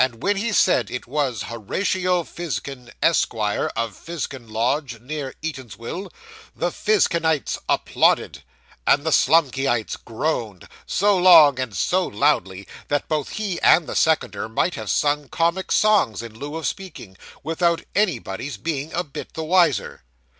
And when he said it was Horatio Fizkin, Esquire, of Fizkin Lodge, near Eatanswill, the Fizkinites applauded, and the Slumkeyites groaned, so long, and so loudly, that both he and the seconder might have sung comic songs in lieu of speaking, without anybody's being a bit the wiser.